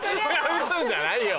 撃つんじゃないよ。